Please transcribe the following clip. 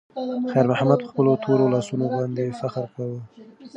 خیر محمد په خپلو تورو لاسونو باندې فخر کاوه.